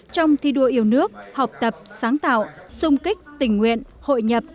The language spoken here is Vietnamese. trong thi đua yêu nước học tập sáng tạo sung kích tình nguyện hội nhập